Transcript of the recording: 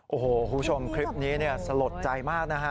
โอ้โหคุณผู้ชมคลิปนี้สลดใจมากนะฮะ